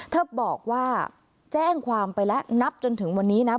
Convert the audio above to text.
เธอบอกว่าแจ้งความไปแล้วนับจนถึงวันนี้นะ